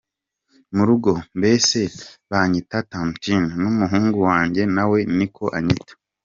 Mu rugo bose banyita Tantine, n’umuhungu wanjye nawe niko anyita.